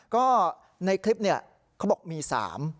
ก็ในคลิปเนี่ยเขาบอกมี๓